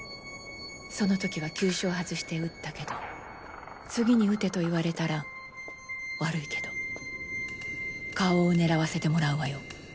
その時は急所を外して撃ったけど次に撃てと言われたら悪いけど顔を狙わせてもらうわよ。